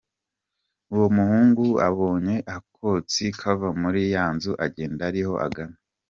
Uwo muhungu abonye akotsi kava muri ya nzu; agenda ariho agana.